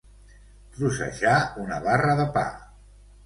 Trossejar una barra de pa.